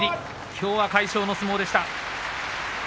きょうは魁勝の相撲でした。